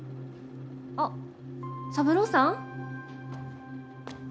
あっ三郎さん？